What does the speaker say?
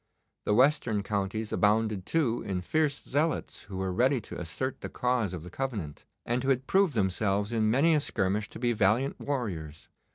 The western counties abounded, too, in fierce zealots who were ready to assert the cause of the Covenant, and who had proved themselves in many a skirmish to be valiant warriors.